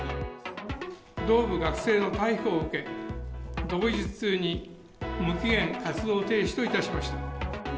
同部学生の逮捕を受け、同日中に無期限活動停止といたしました。